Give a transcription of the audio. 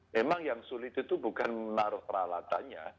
memang yang sulit itu bukan menaruh peralatannya